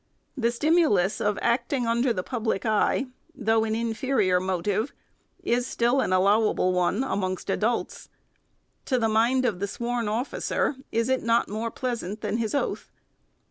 The stimulus of acting under the public eye, though an infe rior motive, is still an allowable one amongst adults. To the mind of the sworn officer, is it not more pleasant than his oath